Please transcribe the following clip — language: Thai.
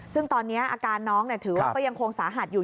ซึ่งตอนนี้อาการน้องถือว่าก็ยังคงสาหัสอยู่